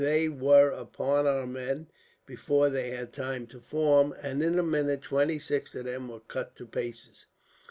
They were upon our men before they had time to form, and in a minute twenty six of them were cut to pieces.